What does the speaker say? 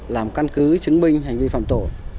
làm căn cứ chứng minh hành vi phạm tổ